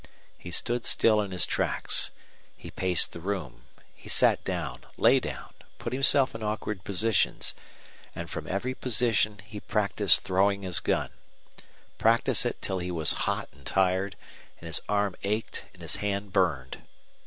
He stood still in his tracks; he paced the room; he sat down, lay down, put himself in awkward positions; and from every position he practiced throwing his gun practiced it till he was hot and tired and his arm ached and his hand burned.